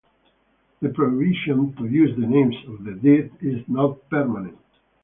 The prohibition to use the names of the dead is not permanent.